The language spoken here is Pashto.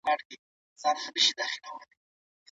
د جاپان کلتوري مرستې په افغانستان کي کومې اغېزي لري؟